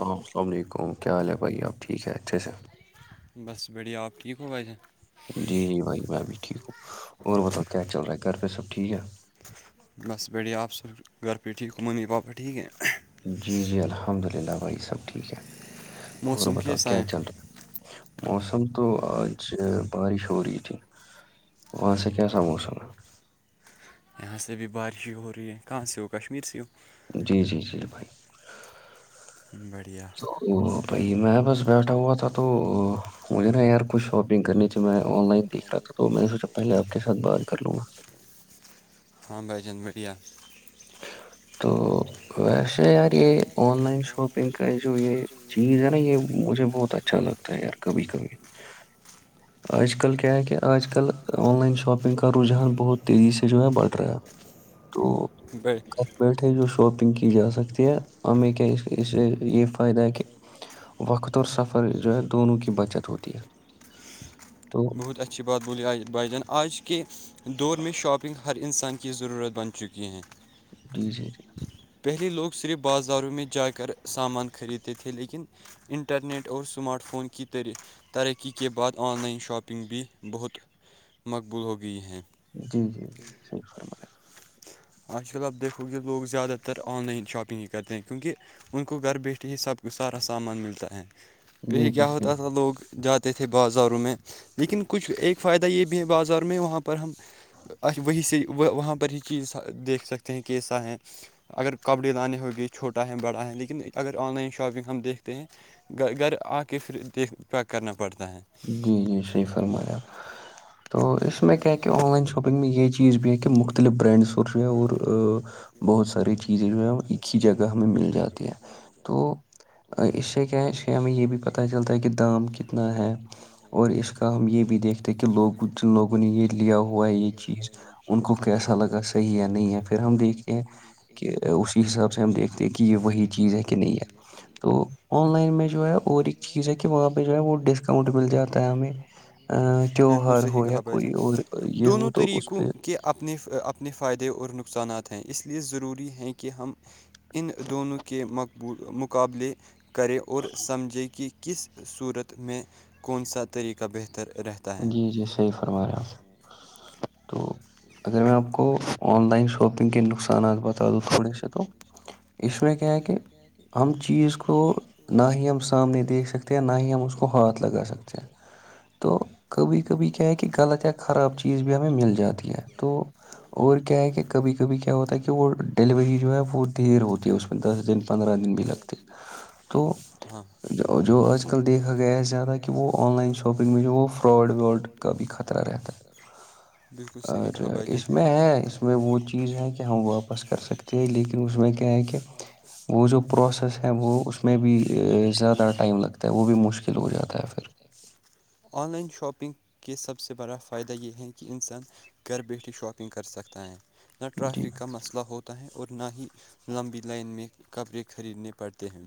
اللسل علیکم کیا حال ہے بھائییا آپ ٹھیک ہیں اچھے سے بس بڑھیا آپ ٹھیک ہو بج جی جی بھائی میں بھی ٹھیک ہوں اور بتا کیا چل رہا ہے گھر پہ سب ٹھیک ہے بس بیڑیا آپ سےب گھر پہٹ ٹیک ک مانی پاپا ٹھیک ہے جی جی الحمد للہ بھائی سب ٹھیک ہے اور بتاؤ کیا چل رہا موسم تو آج بارش ہو رہی تھی وہ سا کیا سموساا یہاں سے بھی بارشیں ہو رہی ہے کہاں سےی ہو کشمیر سی ہو جی جی جی بھائی بڑھیا او بھائی میں بس بیٹھا ہوا تھا تو مجھے نا یار کچھ شاپنگ کرنی چ میں آن لائن دیکھ رہا تھا تو میں نے سوچا پہلے آپ کے سات بات کر لوں گا ہاں بھ جند میڈیا تو ویسے یار یہ آن لائن شاپنگ کا ہے جو یہ چیز ہے نا یہ مجھے بہت اچھا لگتا ہے یار کبھی کبھی آج کل کیا ہے کہ آج کل آن لائن شاپنگ کا رجحان بہت تیزی سے جو ہے بڑھ رہا ہے تو اائی بیٹھے جو شاپنگ کی جا سکتی ہے ہمیں کیا اس اس سے یہ فائدہ ہے کہ وقت اور سفر جو ہے دونوں کی بچت ہوتی ہے تو بہت اچھی بات بولی آج بائی جان آج کے دور میں شاپنگ ہر انسان کی ضرورت بن چکی ہے جی سی ج پہلے لوگ صرف بازاروں میں جا کر سامان خریدتے تھے لیکن انٹرنیٹ اور اسمارٹ فون کی طرح ترقی کے بعد آن لائن شاپنگ بھی بہت مقبول ہو گئی ہیں جی جی جی صحیح فرمائے آج کل آپ دیکھو گے لوگ زیادہ تر آن لائن شاپنگ ہی کرتے ہیں کیونکہ ان کو گھر بیٹھے ہی سب سارا سامان ملتا ہے پھی کیا ہوتا تھا لوگ جاتے تھے بازاروں میں لیکن کچھ ایک فائدہ یہ بھی ہے بازاروں میں وہاں پر ہم وہی سے وہاں پر ہی چیز دیکھ سکتے ہیں کیسا ہے اگر کپڑے لانے ہ گے چھوٹا ہیں بڑا ہیں لیکن اگر آن لائن شاپنگ ہم دیکھتے ہیں گ گھر آ کے پھر دیکھ پ کرنا پڑتا ہے جی جی شی فرمایا تو اس میں کیا کہ آن لائن شاپنگ میں یہ چیز بھی ہے کہ مخت مختلف برانڈس جو ہے اور بہت ساری چیزیں جو ہے وہ ایک ہی جگہ ہمیں مل جاتی ہے تو اس سے کیا ہے اس سے ہمیں یہ بھی پتہ چلتا ہے کہ دام کتنا ہے اور اس کا ہم یہ بھی دیکھتے کہ لوگ جن لوگوں نے یہ لیا ہوا یہ چیز ان کو کیسا لگا س صحی نہیں ہے پھر ہم دیکھتے کہ اسی حساب سے ہم دیکھتے ہیں کہ یہ وہی چیز ہے کہ نہیں ہے تو آن لائن میں جو ہے اور ایک چیز ہے کہ وہاں پہ جو ہے وہ ڈسک اکاؤنٹ مل جاتا ہے ہمیں تیوہار ہو یا کوئی اور یہ ہو تو اس پہ اپنے اپنے فائدے اور نقصانات ہیں اس لیے ضروری ہیں کہ ہم ان دونوں کے مقبول مقابلے کرے اور سمجھے کہ کس صورت میں کون سا طریقہ بہتر رہتا جی جی صحیح فرما رہے ہیں آپ سے تو اگر میں آپ کو آن لائن شاپنگ کے نقصانات بتا دوں تھوڑے سے تو اس میں کیا ہے کہ ہم چیز کو نہ ہی ہم سامنے دیکھ سکتے ہیں نہ ہی ہم اس کو ہاتھ لگا سکتے ہیں تو کبھی کبھی کیا ہے کہ غلط یا خراب چیز بھی ہمیں مل جاتی ہے تو اور کیا ہے کہ کبھی کبھی بھی کیا ہوتا ہے کہ وہ کہ وہ ڈلی جو ہوتی اسائ پندرہ دن بھی لگتے تو جو آج کل دیکھا گیا ہے زیادہ کہ وہ آن لائن شاپنگ میں جو وہ پراڈ ورلڈ کا بھی خطرہ رہتا ہے اور اس میں ہے اس میں وہ چیز ہے کہ ہم واپس کر سکتے ہیں لیکن اس میں کیا ہے کہ وہ جو پروسیس ہے وہ اس میں بھی زیادہ ز ٹائم لگتا ہے وہ بھی مشکل ہو جاتا ہے پھر آن لائن شاپنگ کے سب سے بڑا فائدہ یہ ہے کہ انسان گھر بیٹھے شاپنگ کر سکتا ہے نہ ٹرافک کا مسئلہ ہوتا ہے اور نہ ہی لمبی لائن میں کپڑے خریدنے پڑتے ہیں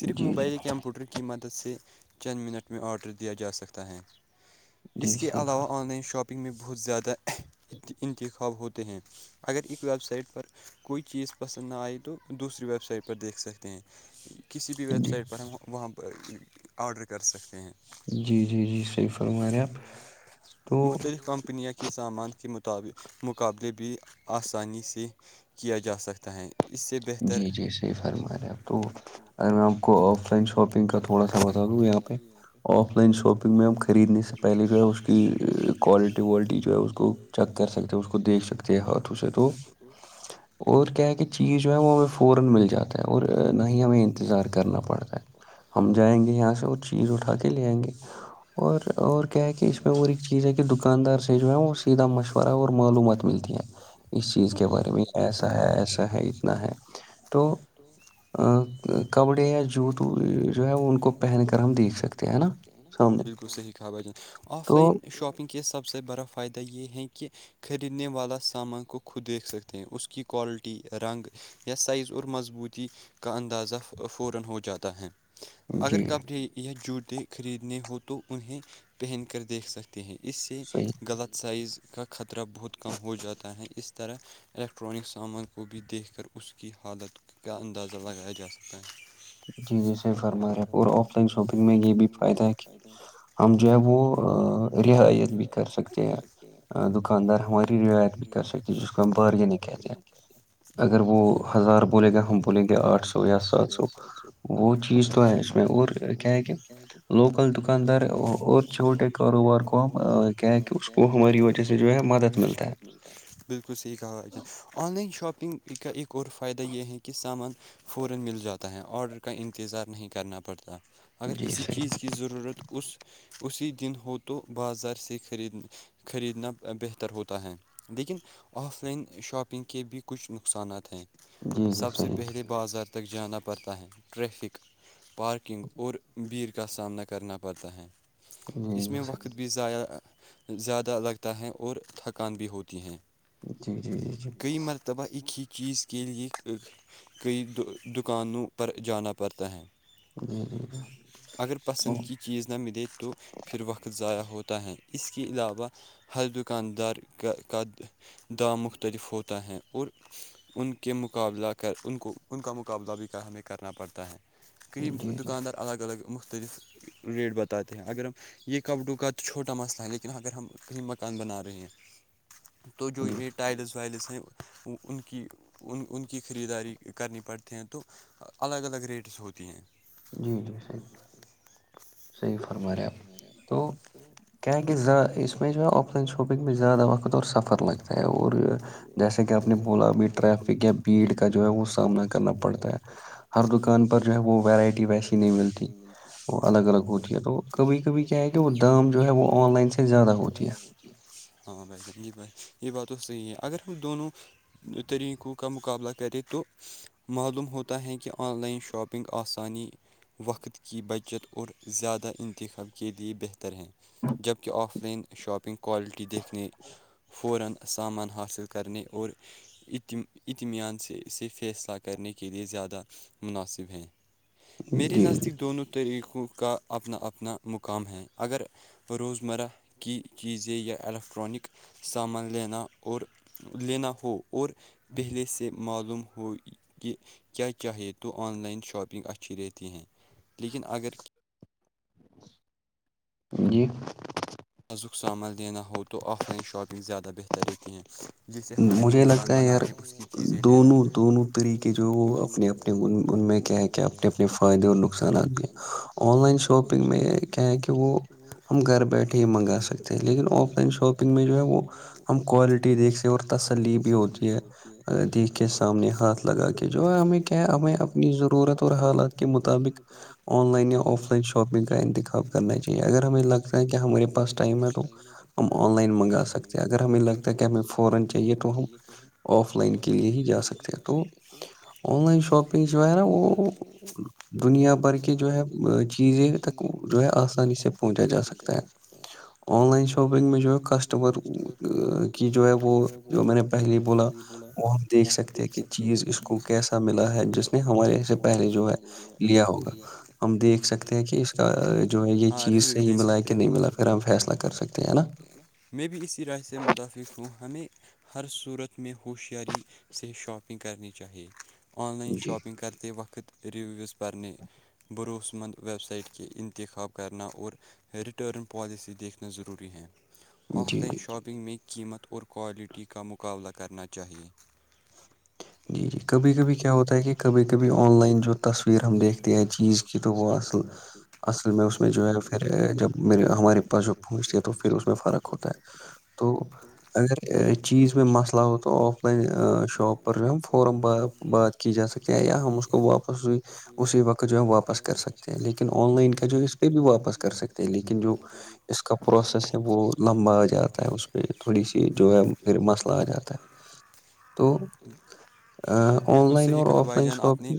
صرف موبائل یا کمپیوٹر کے کی مدد سے چند منٹ میں آڈر دیا جا سکتا ہے اس کے علاوہ آن لائن شاپنگ میں بہت زیادہ انتخاب ہوتے ہیں اگر ایک ویب سائٹ پر کوئی چیز پسند نہ آئے تو دوسری ویب سائٹ پر دیکھ سکتے ہیں کسی بھی ویب سائٹ پر ہم وہاں آڈر کر سکتے ہیں ج سلوان آپ مختلف کمپنیاں کے سامان کے مطاب مقابلے بھی آسانی سے کیا جا سکتا ہے جی جی صحی فرماے آپ کو اگر میں آپ کو آف لائن شاپنگ کا تھوڑا سا بتا دوں یہاں پہ آف لائن شاپنگ میں ہم خریدنے سے پہلے جو ہے اس کی کوالٹی والٹی جو ہے اس کو چیک کر سکتے ہیں اس کو دیکھ سکتے ہیں ہاتھوں سے تو ے اور کیا کہ چیز [inaudible] ہم جائیں گے یہاں سے وہ چیز اٹھا کے لےئیں گے اور اور کیا ہے کہ اس میں اور ایک چیز ہے کہ دکاندار سے جو ہے وہ سیدھا مشہور معلومات نہیں اس چیز کے بارے میں ایسا ہے ایسا ہے اتنا ہے تو کپڑے یا جوتو جو ہے وہ ان کو پہن کر ہم دیکھ سکتے ہیں ہے نا بالکل صحیح کہااب ج آف لائن شاپنگ کے سب سے بڑا فائدہ یہ ہے کہ خریدنے والا سامان کو خود دیکھ سکتے ہیں اس کی کوالٹی رنگ [inaudible] اگر کپڑے یا جوتے خریدنے ہ تو انہیں پہن کر دیکھ سکتے ت ہیں اس سے غلط سائز کا خطرہ بہت کم ہو جاتا ہے اس طرح الیکٹرانک سامان کو بھی دیکھ کر اس کی حالت کیا اندازہ لگا اجازتان جی جیسے فرماے اور آف لائن شاپنگ میں یہ بھی فائدہ ہے کہ ہم جو ہے وہ رعایت بھی کر سکتے ہیں دکاندار ہماری رعایت بھی کر سکتے ج کو ہم بارگیننگ کہتے ہیں اگر وہ ہزار بولے گا ہم بولیں گے آٹھ سو یا سات سو چی کیا کہ ل دکاندار اور چھوٹے کاروبار کو کیا کہہ اس کو وجہ سے جو ہے مدد مل بالکل صحیح کہاو آن لائن شاپنگ کا ایک اور فائدہ یہ ہے کہ سامان فورا مل جاتا ہے ارڈر کا انتظار نہیں کرنا پڑتا اگر کسی چیز کی ضرورت اس اسی دن ہو تو بازار سے خریدنے خریدنا بہتر ہوتا ہے لیکن آف لائن شاپنگ کے بھی کچھ نقصانات ہیں سب سے پہلے بازار تک جانا پڑتا ہے ٹریفک پارکنگ اور بھیڑ کا سامنا کرنا پڑتا ہے اس میں وقت بھی ضائع زیادہ لگتا ہے اور تھکان بھی ہوتی ہیں جی جی جی جی دباں اک ہی چیز کے لے ایک کئی دکانوں پر جانا پڑتا ہے اگر پسند کی چیز نہ ملے تو پھر وقت ضائع ہوتا ہے اس کے علاوہ ہر دکاندار کا کا دا مختلف ہوتا ہے اور ان کے مقابلہ کر ان کو ان کا مقابلہ بھی ہمیں کرنا پڑتا ہے کرم دکاندار الگ الگ مختلف ریٹ بتاتے ہیں اگر ہم یہ کپ ڈوں کا تو چھوٹا مسئلہ ہے لیکن اگر ہم کہیں مکان بنا رہے ہیں تو جو ایک ٹائلس وائلس ہیں ان کی ان ان کی خریداری کرنی پڑتے ہیں تو الگ الگ ریٹس ہوتی ہیں جی جی صحیح صحیح فرما رہے آپ تو کیا کہ اس میں جو ہے آف لائن شاپنگ میں زیادہ وقت اور سفر لگتا ہے اور جیسے کہ آپ نے بولا ابھی ٹریفک یا بھیڑ کا جو ہے وہ سامنا کرنا پڑتا ہے ہر دکان پر جو ہے وہ ویرائٹی ویسی نہیں ملتی وہ الگ الگ ہوتی ہے تو کبھی کبھی کیا ہے کہ وہ دام جو ہے وہ آن لائن سے زیادہ ہوتی ہے ہاں بھائی صح جی بھائی یہ بات تو صحیح ہے اگر ہم دونوں طریقوں کا مقابلہ کرے تو معلوم ہوتا ہے کہ آن لائن شاپنگ آسانی وقت کی بچت اور زیادہ انتخاب کے لئے بہتر ہیں جبکہ آف لائن شاپنگ کوالٹی دیکھنے فورا سامان حاصل کرنے اور اطم اطمان سے اسے فیصلہ کرنے کے لیے زیادہ مناسب ہیں میرے نزدیک دونوں طریقوں کا اپنا اپنا مقام ہے اگر روز مرہ کی چیزیں یا الییکٹرانک سامان لینا لینا ہو اور پہلے سے معلوم ہو کہ کیا چاہیے تو آن لائن شاپنگ اچھی رہتی ہیں لیکن اگر جی آازک سامان لینا ہو تو آف لائن شاپنگ زیادہ بہتر رہتی ہے جیسے اگر ہم مکان بنا رہے ہیں اس کی چیزیں لینا طے اپنے ان کیا ہے کیا اپنے اپنے فائدے نقصانات آن لائن شاپنگ میں کیا وہ ہم گھر منگا سکتے ہیں لیکن آف لائن شاپنگ میں جو ہے وہ ہم کوالٹی دیکھتے اور تسلی بھی ہوتی ہے دیکھ کے سامنے ہاتھ لگا کے جو ہے ہمیں کیا ہمیں اپنی ضرورت اور حالات کے مطابق آن لائن یا آف لائن شاپنگ کا انتخاب کرنا چاہیے اگر ہمیں لگتا ہے کہ ہم ہمارے پاس ٹائم ہوگ ہم آن لائن منگا سکتے اگر کہ ہمیں فوران چاہیے تو ہم آف لائن کے لیے ہی جا سکتے ہیں تو آن لائن شاپنگ جو ہے نا وہ دنیا بھر کے جو ہے چیزیں تک جو ہے آسانی سے پہنچا جا سکتا ہے آن لائن شاپنگ میں جو ہے کسٹمر کہ جو ہے وہ جو میں نے پہلے بولا وہ ہم دیکھ سکتے کہ چیز اس کو کیسا ملا ہے جس ہمارے سے پہلے جو ہے لیا ہوگا ہم دیکھ سکتے ہیں کہ اس کا ہاں ریویو دے سکتے ہیں ہم فیلہ سکتے ہیں میں بھی اسی رائے سے مدا فق ہوں ہمیں ہر صورت میں ہوشیاری سے شاپنگ کرنی چاہیے آن لائن شاپنگ کرتے وقت رویوز پ پرن برس مند ویب سائٹ کے انتخاب کرنا اور ریٹرن پالیسی دیکھنا ضروری ہے آف لائن شاپنگ میں قیمت اور کوالٹی کا مقابلہ کرنا چاہیے جی جی کبھی کبھی کیا ہوتا ہے کہ کبھی کبھی آن لائن جو تصویر ہم دیکھتے ہیں چیز کی تو وہ اصل اصل میں اس میں جو ہے پھر جب میر ہمارے پاس جو پہنچتی ہیں تو پھر اس میں فرق ہوتا ہے تو اگر چیز میں مسئلہ ہو تو آف لائن شاپ جو ہم فورا بات کی جا سکتے ہیں یا ہم اس کو واپس اسی وقت جو ہے واپس کر سکتے ہیں لیکن آن لائن کا جو ہے اس پہ بھی واپس کر سکتے ہیں لیکن جو اس کا پروسیس ہے وہ لمبا آ جاتا ہے اس پہ تھوڑی سی جو ہے پھر مسئلہ آ جاتا [unintelligible] تو بالکل صحیح کہا بھائی جان آپ نے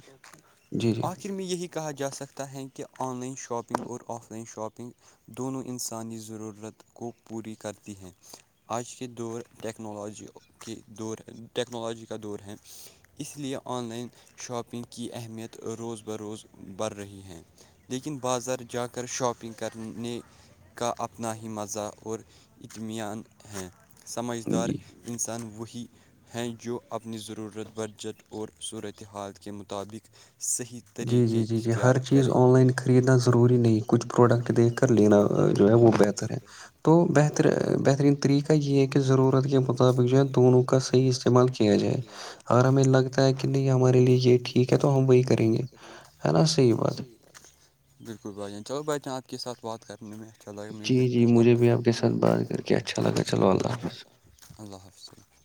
آ آخر میں یہی کہا جا سکتا ہے کہ آن لائن شاپنگ اور آف لائن شاپنگ دونوں انسانی ضرورت کو پوری کرتی ہیں آج کے دور ٹیکنالوجی کے دور ٹیکنالوجی کا دور ہے اس لیے آن لائن شاپنگ کی اہمیت روز بروز بڑھ رہی ہے لیکن بازار جا کر شاپنگ کر نے کا اپنا ہی مزہ اور اطمان ہیں سمجھدار انسان وہحی ہیں جو اپنی ضرورت بجٹ اور صورت حال کے مطابق صحیح جی جی جی جی ہر چیز آن لائن خریدنا ضروری نہیں کچھ پروڈکٹ دیکھ کر لینا جو ہے وہ بہتر ہے تو بہتر بہترین طریقہ یہ ہے کہ ضرورت کی جو ہے دونوں کا صح استعمال کیا جائے اور ہمیں لگتا ہے کہ نہیں ہمارے لیے یہ ٹھیک ٹھیک ہے تو ہم وہی کریں گے بالکل بھائی جان چلو بھائی جان آپ کے ساتھ بات کر رہیں [unintelligible] اللہ حافظ